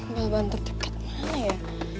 balaban terdekat mana ya